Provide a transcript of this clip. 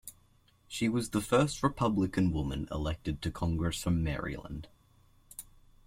She was the first Republican woman elected to Congress from Maryland.